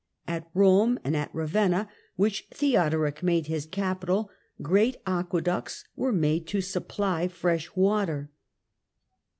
At Rome and at Ravenna, which Theodoric made his capital, greal aqueducts were made to supply fresh water.